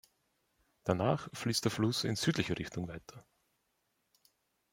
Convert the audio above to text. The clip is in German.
Danach fließt der Fluss in südlicher Richtung weiter.